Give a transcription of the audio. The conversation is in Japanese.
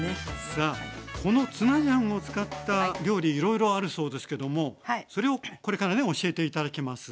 さあこのツナジャンを使った料理いろいろあるそうですけどもそれをこれからね教えて頂きます。